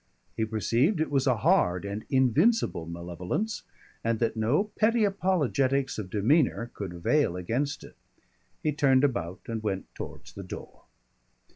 He perceived it was a hard and invincible malevolence, and that no petty apologetics of demeanour could avail against it. He turned about and went towards the door.